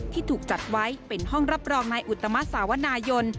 ที่ถูกจัดไว้เป็นห้องรับรองนายอุตมะสาวนายน